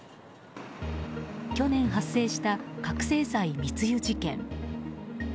去年発生した覚醒剤密輸事件。